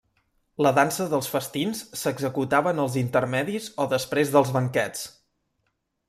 La dansa dels festins s'executava en els intermedis o després dels banquets.